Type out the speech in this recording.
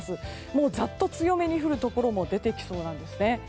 もうざっと強めに降るところも出てきそうなんですね。